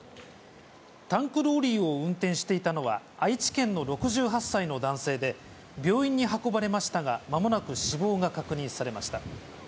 タンクローリーを運転していたのは、愛知県の６８歳の男性で、病院に運ばれましたが、まもなく死亡が確認されました。